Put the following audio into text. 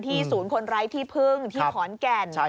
ศูนย์คนไร้ที่พึ่งที่ขอนแก่น